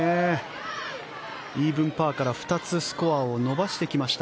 イーブンパーから２つスコアを伸ばしてきました。